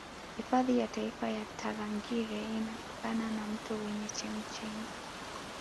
Hifadhi ya taifa ya Tarangire imepakana na mto wenye chemchemi